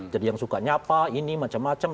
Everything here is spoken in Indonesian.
jadi yang sukanya apa ini macam macam